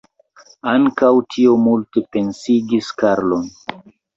Ankaŭ tio multe pensigis Karlon.